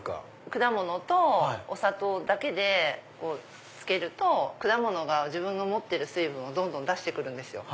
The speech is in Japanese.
果物とお砂糖だけで漬けると果物が自分の持ってる水分をどんどん出して来るんですよ。